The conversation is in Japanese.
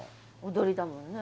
踊りだもんね。